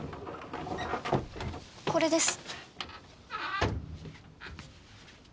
これです。